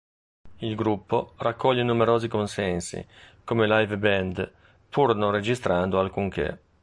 Il gruppo raccoglie numerosi consensi come live band, pur non registrando alcunché.